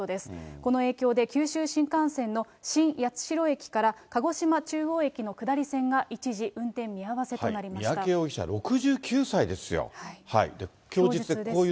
この影響で、九州新幹線の新八代駅から鹿児島中央駅の下り線が一時運転見合わ三宅容疑者、６９歳ですよ。